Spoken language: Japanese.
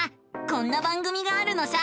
こんな番組があるのさ！